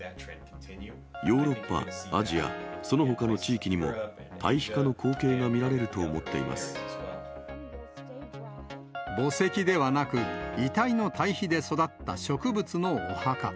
ヨーロッパ、アジア、そのほかの地域にも、堆肥化の光景が見られると思って墓石ではなく、遺体の堆肥で育った植物のお墓。